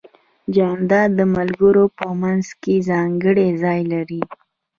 جانداد د ملګرو په منځ کې ځانګړی ځای لري.